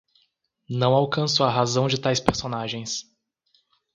Não alcanço a razão de tais personagens.